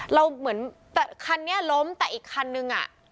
เราเหมือนคันนี้ล้มแต่อีกคันนึงอะ